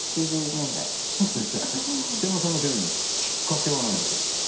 北村さんのデビューのきっかけは何だったんですか？